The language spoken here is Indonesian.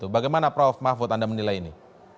bagaimana prof mahfud anda menilai ini